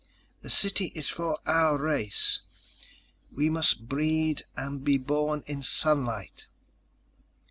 The city is for our race. We must breed and be born in sunlight.